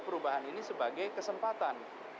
perubahan ini sebagai kesempatan